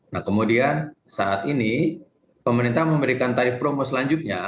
nah kemudian saat ini pemerintah memberikan tarif promo selanjutnya